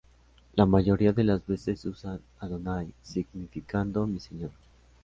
La mayoría de las veces usan "Adonai", significando "mi Señor".